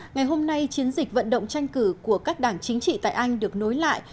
ngày hôm nay chiến dịch vận động tranh cử của các đảng chính trị tại anh được nối lại